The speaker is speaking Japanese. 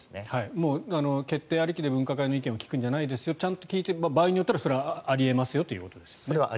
もう決定ありきで分科会の意見を聞くんじゃないですよちゃんと聞いて、場合によってはそれはあり得ますよと。